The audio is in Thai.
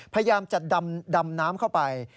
พยายามจะดำน้ำเข้าไป